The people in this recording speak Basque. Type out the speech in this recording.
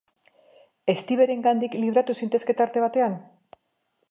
Steverengandik libratu zintezke tarte batean?